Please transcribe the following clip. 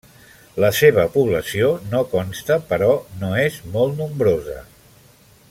La seva població no consta però no és molt nombrosa.